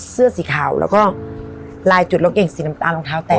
เสื้อสีขาวแล้วก็ลายจุดรถเก่งสีน้ำตาลรองเท้าแตะ